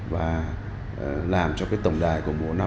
và làm cho cái tổng đài của mùa năm